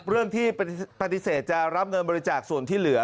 เรื่องที่ปฏิเสธจะรับเงินบริจาคส่วนที่เหลือ